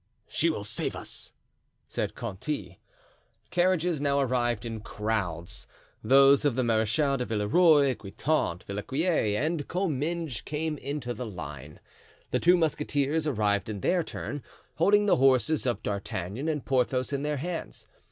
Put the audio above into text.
"She will save us," said Conti. Carriages now arrived in crowds; those of the Marechal de Villeroy, Guitant, Villequier and Comminges came into the line. The two musketeers arrived in their turn, holding the horses of D'Artagnan and Porthos in their hands.